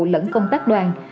lẫn công tác đoàn